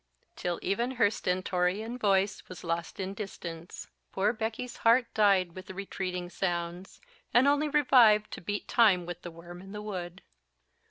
till even her stentorian voice was lost in distance. Poor Becky's heart died with the retreating sounds, and only revived to beat time with the worm in the wood.